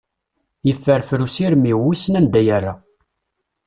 Yefferfer usirem-iw, wissen anda yerra.